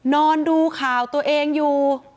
นอนดูข่าวตัวเองอยู่